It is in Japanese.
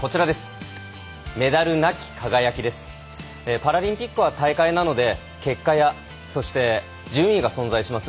パラリンピックは大会なので結果や、そして順位が存在します。